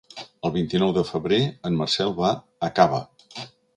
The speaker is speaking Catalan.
El vint-i-nou de febrer en Marcel va a Cava.